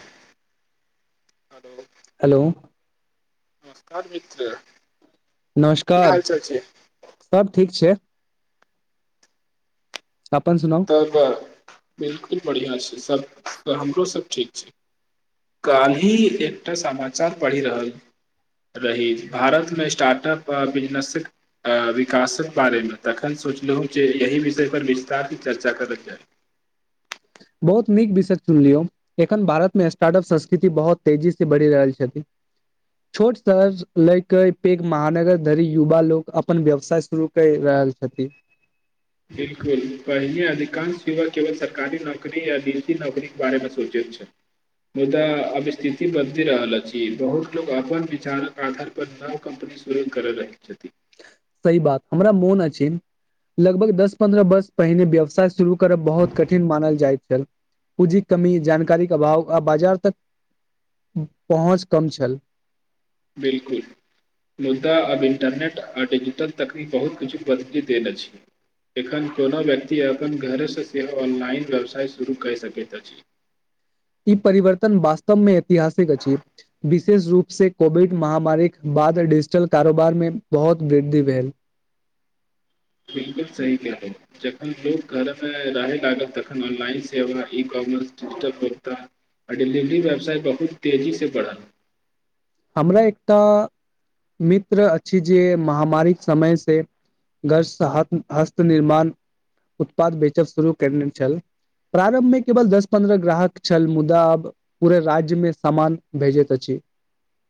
हंं hello hello नमस्कार मित्र की नमस्कार हाल चाल छै सब ठीक छै अपन सुनाउ तब बिलकुल बढ़िआँ छै सभ हमरो सभ ठीक छै काल्हिी एकटा समाचार पढ़ि रहल रही भारतमे स्टार्टअ अपप आ बिजनेसक विकासक बारेमे तखन से सोचलँ जे यी विषय पर विस्तार चर्चा कर लख जाइ बहुत नीक विषय सुनलियौ एखन भारत मे स्टार्ट अप संस्कृति बहुत तेजी से बढ़ि रहल छथिन छोट शर लै के पैघ महानगर धरी युवा लोकोग अपन व्यवसाय शुरू कर रहल ऐल छथि हंँ बिलकुल पहिने अधिकांश युवा केवल सरकारी नौकरी या निजी नौकरी के बारे मे सोचे छै मुदा अब स्थिति बदलि रहल अछि बहुत लोकोग अपन विचारक आधार पर न क शुरू कर' लगै छथि सही बात हमरा मोन अछि लगभग दस पन्द्रह वर्ष पहिने व्यवसाय शुरू करब बहुत कठिन मानल जाइत पूँजीक कमी जानकारीे अभाव आ बाजार तक पहुँच कम छल बिलकुल मुद्दा आब इंटरनेट आ डिजिटल तकनीक बहुत किछु बदलि देल अछि एखन कोनो व्यक्ति अपन घरसँ सेहो ऑनलाइन व्यवसाय शुरू कय सकैत अछि [inaudible] ई परिवर्तन वास्तवमे ऐतिहासिक अछि विशेष रूप से कोविड महामारी इ डिजिटल कारोबार मे बहुत वृद्धि भेल हंँ बिलकुल सही कह जखन लो घर मे रहे लागल तखन ऑनलाइन से ई होता आ डिलीवरी व्यवसाय बहुत तेजी से बढ़ा हमरा एकटा मित्र अछि जे महामारीक समयसँ गस्त हत हस्त निर्माण उत्पाद बेचब शुरू केने छल प्रारम्भमे केवल दस पन्द्रह ग्राहक छल मुदा आब पूराे राज्यमे सामान भेजैत अछि [unintelligible]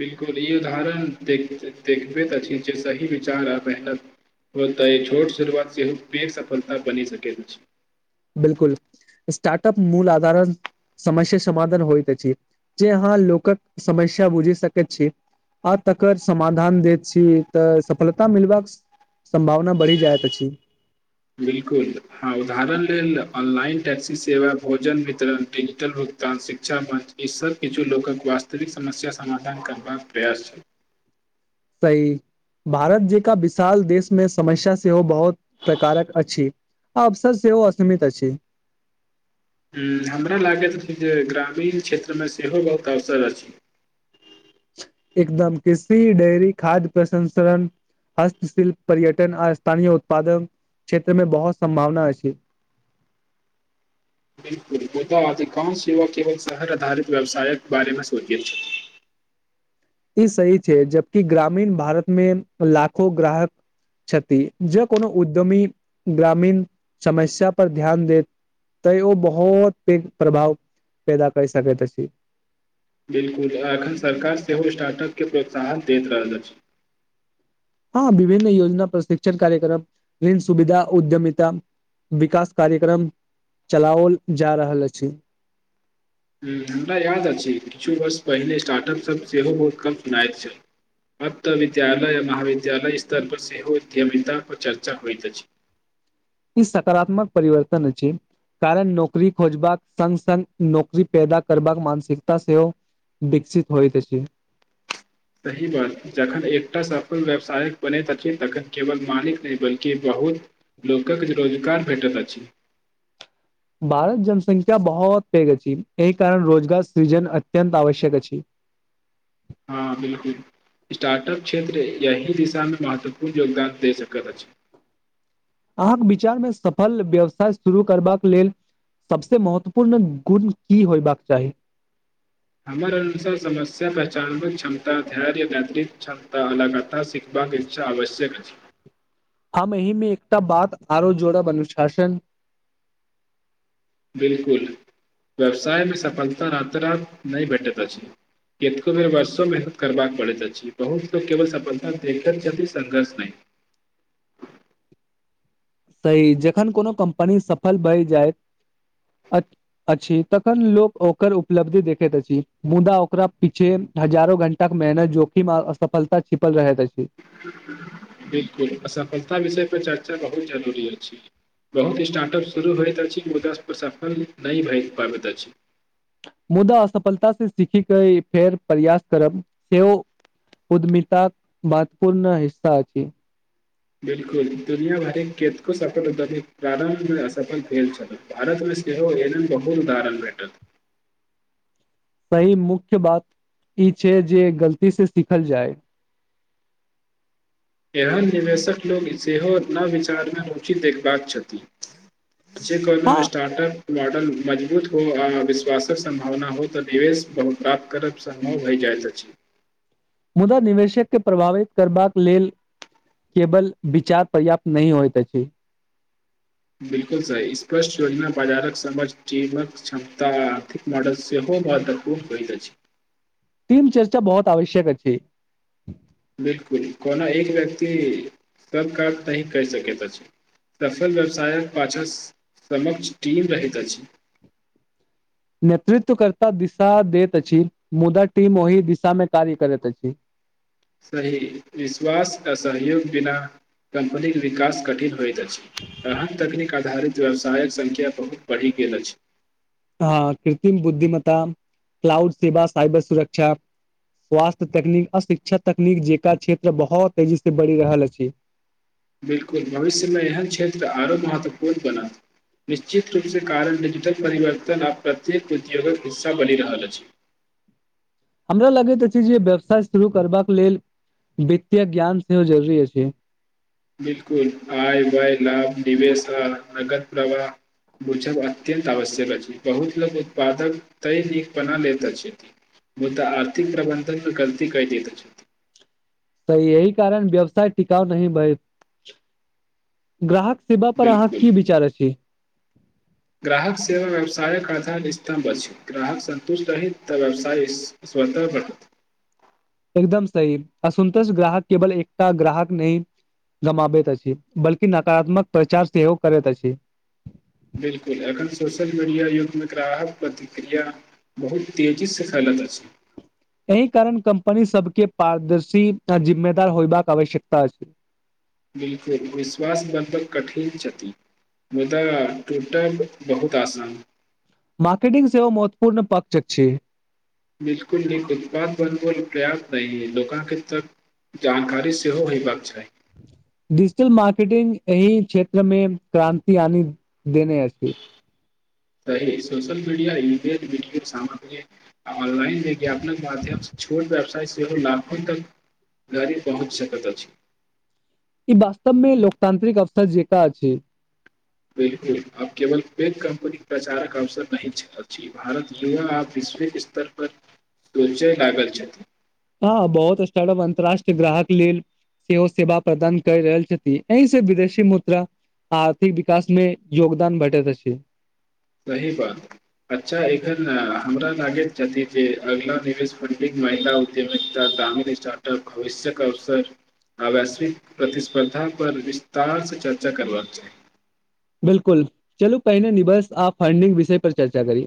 बिलकुल ई उदाहरण देख देखबैत अछि जे सही विचार आ मेहनत हो तऽ ई छोट शुरुआत सेहो पेघ सफलता बनि सके बिलकुल स्टार्टअप मूल आधारण समस्या समाधान होइत अछि जे अहाँ लोकक समस्या बुझि सकैत छी आ तकर समाधान दैत छी तऽ सफलता मिलबाक संभावना बढ़ी जायत अछि बिलकुल हँ उदाहरण लेल ऑनलाइन टैक्सी सेवा भोजन वितरण डिजिटल कान शिक्षा वं ईसभ किछु लोकक वास्तविक समस्या समाधान करबाक प्रयास छल सही भारत जेकां विशाल देशमे समस्या सेहो बहुत प्रकारक अछि अफसर सेहो असीमित अछि [unintelligible] ह हमरा लागैत रह जे ग्रामीण क्षेत्रमे सेहो बहुत अवसर अछि ह एकदम कृषि डेरी खाद्य प्रसंसरण हस्तशिल्प पर्यटन आ स्थानीय उत्पादन क्षेत्रमे बहुत सम्भावना अछि [inaudible] बिलकुल मुदा अधिकांश युवक केवल शहर आधारित व्यवसायक बारेमे सोचै छथि [unintelligible] ई सही छैे जबकि ग्रामीण भारतमे लाखो ग्राहक छति जे कोनो उद्यमी ग्रामीण समस्या पर ध्यान देैत तय ओ बहुत पैघ प्रभाव पैदा कर सकैत अछि बिलकुल एखन सरकार सेहो स्टार्टअपके प्रोत्साहन दैत रहल अछि हँ विभिन्न योजना प्रशिक्षण कार्यक्रम ऋन सुविधा उद्यमता विकास कार्यक्रम चलाओल जा रहल अछि ह हमरा याद अछि किछु वर्ष पहिनेे स्टार्टअपसभ सेहो बहुत कम सुनायइत छल अ त विद्यालय य महाविद्यालय स्तर पर सेहो उ्यमता पर चर्चा होइत अछि ई सकारात्मक परिवर्तन छै कारण नौकरी खोजबाक सङ् सङ्ग नौकरी पैदा करबाक मानसिकता सेहो विकसित होइ त छै सही बात जखन एकटा सफल व्यवसायक बने तखन तखन केवल मालिक नहि बल्कि ब ल लोकक रोजगार भेटत अछि भारत जनसंख्या बहुत पेघ अछि एहि कारण रोजगार सृजन अत्यन्त आवश्यक अछि हँ बिलकुल स्टारट अप क्षेत्र यह दिशामे महत्वपूर्ण योगदान दे सकैत अछि छै अहाँके विचारमे सफल व्यवसाय शुरू करबाक लेल सभसे महत्वपूर्ण गुण की होयबाक चाही हमर अनुसार समस्या पहचानव क्षमता धैर्य वदृ क्षमता अलगथा सिखबाका इच्छा आवश्यक अछि हम एहिहीमे एकटा बात आरो जोड़ब अनुशासन बिलकुल व्यवसाय मे सफलता राते रात नहि भेटेत अछि केतको बेर वर्षो मेहनत करबाक पड़ैत अछि बहुत लोको केवल सफलता देख छथि संघर्ष नहि [unintelligible] सही जखन कोनो कम्पनी सफल भए जायइत अछि तखन लोक ओकर उपलब्धि देखैत अछि मुदा ओकरा पीछे हजारो घंटा के मेहनत जोखिम असफलता छिपल रहै छै बिलकुल असफलता विषय पे चर्चा बहुत जरूरी अछि बहुत स्टार्टअप शुरू होइत अछि मुद पर सफल नहि भए पाबैत अछि मुदा असफलता से सीखी के फेर प्रयास करब सेहो उद्मिताक मातपूर्ण हिस्सा अछि बिलकुल दुनिया भर केतको सफल उद्यिक प्रारंभमे असफल भेल छल भारतमे सेहो ए बहुुत उदारण भेटल सही मुख्य बात ई छै जे गलती से सिखल जाय एहन निवेशक लोक सेहो न विचारमे रुचि देखबाक छथिन जे हँ कहलहु स्टार्टअप मॉडल मजबूत हो आ विश्वासक सम्भावना हो तऽ निवेश बहुत प्राप्त करब सम्भव होय जाय जा छै मुदा निवेशक के प्रभावित करबाक लेल केवल विचार पर्याप्त नहिह होइत त छै बिलकुल सही स्पष्ट योजना बाजारक समझ जीवक क्षमता आर्थिक मॉडलसँ हो खूब भ त खूब होइ त छी टीम चर्चा बहुत आवश्यक अ छै बिलकुल कोना एक व्यक्त सब काम नहि कर सक छै सफल व्यवसायक पछाँ समक्ष टीम रहैत अछि नेतृत्व करता दिशा दैत अछि मुदा टीम ओहि दिशामे कार्य करैत अछि [inaudible] सही विश्वास आ सहयोग बिना कंपनी के विकास कठिन होय अछि एहन तकनीक आधारित व्यवसायक संख्या बहुत बढ़ि गेल अछि हँ कृत्रिम बुद्धिमता क्लाउड सेवा साइबर सुरक्षा स्वास्थ्य तकनीक अशिक्षा तकनीक जेकरा क्षेत्र बहुत तेजी से बढ़ि रहल अछि छै बिलकुल भविष्यमे एहन क्षेत्र आरो महत्वपूर्ण बनत निश्चित रूपसँ कारण डिजिटल परिवर्तन आब प्रत्येक उद्योगक हिस्सा बनि रहल अछि [inaudible] हमरा लगैत अछि जे व्यवसाय शुरू करबाक लेल वित्तीय ज्ञान सेहो जरूरी अछि बिलकुल आइ वाय लभ निवेश आ नगद प्रवाह बूझब अत्यन्त आवश्यक अछि बहुत लोको उत्पादक तै नीकपना लैत अछि मुद्धा आर्थिक प्रबन्धन गलती कै दैत छथि सही यह कारण व्यवसाय टिकााव नहि भय ग्राहक शिवा पर अहाँ बिल्कुल की विचार अ छी ग्राहक सेवा व्यवसायक आधार स्तम्भ अछि ग्राहक संन्तुष्ट रहैत तऽ व्यवसाय स्वत पटत एकदम सही असन्तोष ग्राहक केवल एकटा ग्राहक नहि गमाबैत अछि बलकि नकारात्मक प्रचार सेहो ओ करैत अछि बिलकुल एखन सोशल मीडिया युग मे ग्राहक प्रतिक्रिया बहुत तेजी से फैलल अछी एहि कारण कम्पनी सबके पारदर्शी आ जिम्मेदार होयबाक आवश्यकता अछि बिलकुल विश्वास बदल कठिन छथि मु तऽ टूटल बहुत आसान मार्केटिंग सेहो महत्वपूर्ण पकचक छै बिलकुल एक उत्पाद बनब प्र्याप्त नहि है लके तक जानकारी सेहो होयबाक चाही डिजिटल मार्केटिंग एहिही क्षेत्र मे क्रान्ति आनी देने अछि [inaudible] सही social media email video सामग्री आ ऑनलाइन विज्ञापन माध्यम छोट व्यवसाय सेहो लाभ तक धी पहुँच सकैत अछि ई वास्तवमे लोकतांत्रिक अवसर जेका छै बिलकुल आब केवल ओ कम्पनी प्रचारक अवसर नहि अछि भारत युवा आ विश्व स्तर पर सोचय लागल छथि हँ बहुत स् अन्तर्राष्ट्रीय ग्राहक लेल सेहो सेवा प्रदान करि रहल छथिन एहिसँ विदेशी मुद्रा आर्थिक विकास में योगदान भेटैत अछि सही बा अच्छा एखन हमरा लागैत छथि जे अगिला निवेश फणडिंग महिला उद्यम गामी स्टार्टअप भविष्यक अवसर आ वैश्विक प्रतिस्पर्धा पर विस्तार से चर्चा करबाक चाहि बिलकुल चलू पहिने निबस आ फंडिंग विषय पर चर्चा करी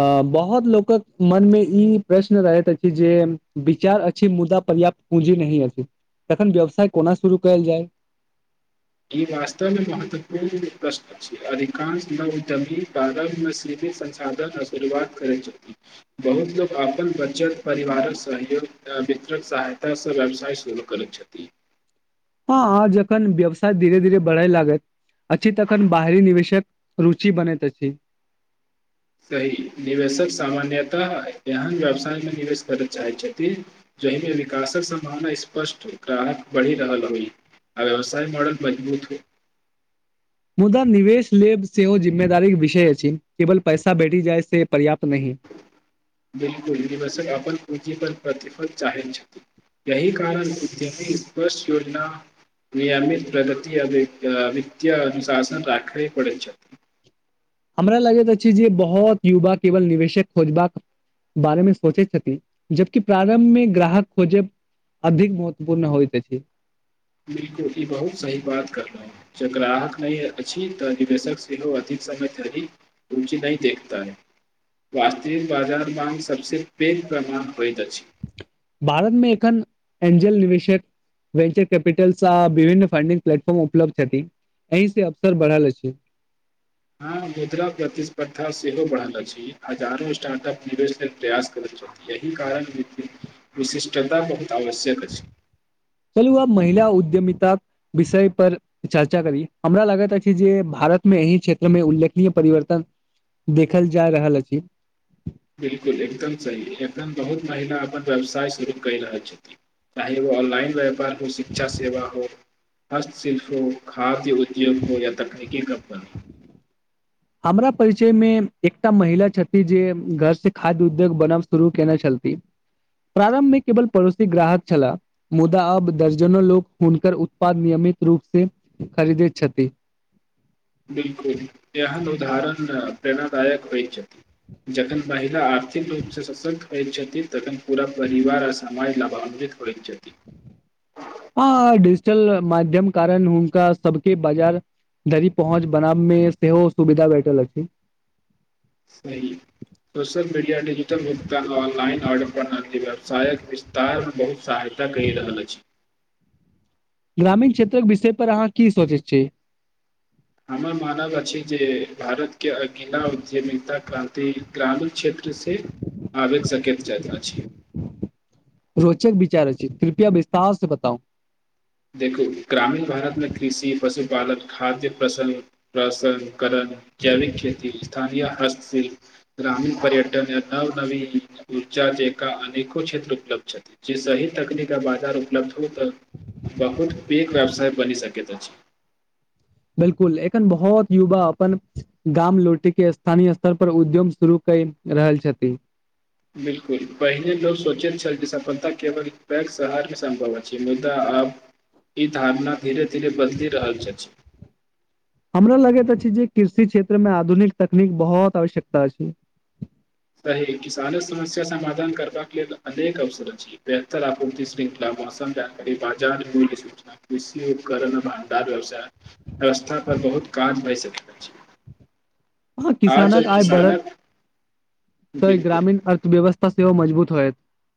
अ बहुत लोकक मनमे ई प्रश्न रहैत अछि जे विचार अछि मुद्दा पर्याप्त पूंजी नहि अछि तखन व्यवसाय कोना शुरू करल जाय [inaudible] ई वास्तव मे महत्वपूर्ण प्रश्न छै अधिकांश लग तभी बादमे संसाधन आ शुरुआत करैत छथिन बहुत लोकक अपन बचत परिवारक सहयोग वितरक सहायताँ व्यवसाय शुरू करैत छथि हँ ह जखन व्यवसाय धीरे धीरे बढ़े लागैत अछि तखन बाहरी निवेशक रुचि बनैत अछि [inaudible] सही निवेशक सामान्यतः एहन व्यवसायमे निवेश करय चाहैत छथिन जहिमे विकासक सम्भावना स्पष्ट काराहक बढ़ि रहल होई आ व्यवसाय मॉडल मजबूत हो मुदा निवेश लेब सेहो जिम्मेदारी के विषय अछि केवल पैसा भेटी जाय से पर्याप्त नहि बिलकुल द अप पीप प्रतिफल चाह छथि यहि कारण उद्यमी्पष् योजना नियमित प्रगति अ वित्तय अनुशासन राखे पड़ै छै हमरा लगैत अछि जे बहुत युवा केवल निवेशक खोजबाक बारे में सोचैत छथि जबकि प्रारं्भमे ग्राहक खोजब अधिक महत्वपूर्ण होइत अछि बिलकुल ई बहुत सही बात कहलहुँ जे ग्राहक नहि अछि तऽ निवेशक सेहो अथी समय धी बुच्ची नहि देखता है वास्तविक बाजार ब सबसे पैघ प्रमाण होइत अछि भारतमे एखन एंजल निवेशक वेन्चर केपिटलस आ विभन्न फ्डिंग प्लटफॉर्म उपलब्ध एहि से अवसर बढ़ल अछी हँ मुद्रा प्रतिस्पर्धा सेहो बढ़ल अछि हजारो स्टार्ट अप निवेश लेल प्रयास करैत हो यही कारण विशिष्टता बहुत आवश्यक अछि चलू अब महिला उद्यमी प्राप्त विषय पर चर्चा करी हमरा लागैत अछि जे भारतमे एहि क्षेत्रमे उद्यमी परिवर्तन देखल जा रहल अछि बिल्कुल एकदम सही एखन बहुत महिला अपन व्यवसाय शुरू कइ रहल छथिन चाहे ओ ऑनलाइन व्यापार हो शिक्षा सेवा हो हस्तशिल्पो खाद्य उद्योग हो या तकनीकी कम्पनी हमरा परिचयमे एकटा महिला छथि जे घर से खाद्य उद्योग बनाब शुरू केने छल [inaudible] प्रारंभमे केवल पड़ोसी ग्राहक छलाह मुदा अब दर्जनो लोक हुनकर उत्पाद नियम नित रूप से खरीदै छथि बिलकुल यह न उ धाहरण प्रेरणाादायक होइ छथि जखन महिला आर्थिक रूपसँ सशक्त होयत छथिन तखन पूरा परिवार आ समाज लाभान्वित होइत छथि चल माध्यम कारण हुनका सबके बाजार दरी पहुँच बनाब मे सेहो सुविधा भेटल अछि सही सोशल मीडिया डिजिटल भुगतान ऑनलाइन ऑर्डर प्रणाली व्यवसायक विस्तारमे बहुत सहाय ना कहि रहल अछि ग्रामीण क्षेत्रक विषयपर अहाँ की सोचैत छी हमर मानब अछि जे भारतके अगिला उद्यमिकता क्रांति ग्रामीण क्षे त्र से आबि सकैत अछि रोचक विचार अछि कृपया विस्तार स बताउ देखू ग्रामीण भारतमे कृषि पशुपालन खाद्य फसल प्रसन कहलन जैविक खेती स्थानीय हस शिल्प ग्रामीण पर्यटन य नव नवी ऊर्जा जेकां अनेको क्षेत्र उपलब्ध जे सही तकनीक बाजार उपलब्ध होत बहुत पैघ व्यवसाय बनी सकैत अछि बिलकुल एखन बहुत युवा अपन गाम लोटी के स्थानीय स्तर पर उद्योग शुरू कहि रहल छथिन बिल्कुल पहिने लोक सोचैत छल जे सफलता केवल पैघ शहारमे सम्भव अछि मुदा आब ई धारणा धीरे धीरे बदलि रहल च छि हमरो लगैत अछि जे कृषि क्षेत्रमे आधुनिक तकनीक बहुत आवश्यकता अछि त ई किसाने समस्या समाधान करबाक लेल अनेक अवसर अछि बेहतर आपूर्ति शृंखला मौसम जानकारी बाजार मूल सूचना कृषि उपकरण मधार व्यवसाय व्यवस्थापन पर बहुत काज भय सकैत अछि हँ आज किसानक आय बढ़त किसानक तऽ बिल्कुल ग्रामीण अर्थव्यवस्था से ओ मजबूत होयत